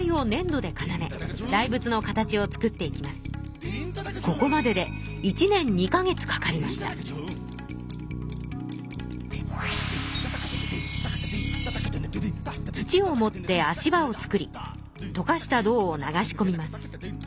土をもって足場を作りとかした銅を流し込みます。